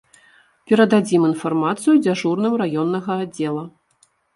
Перададзім інфармацыю дзяжурным раённага аддзела.